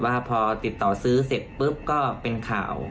ว่าพอติดต่อซื้อเสร็จปุ๊บก็เป็นข่าว